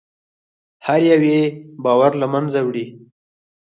هر یو یې باور له منځه وړي.